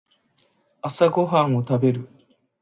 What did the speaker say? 朝ごはんを食べる